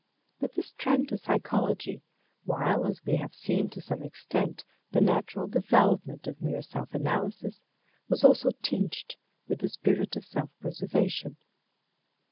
But this trend to psychology, while as we have seen, to some extent, the natural development of mere self analysis was also tinged with the spirit of self preservation.